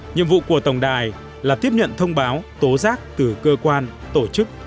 nhiệm vụ của tổng đài là tiếp nhận thông báo tố giác từ cơ quan tổ chức